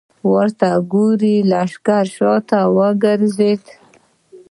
ورته وګورئ! لښکر شاته وګرځېد.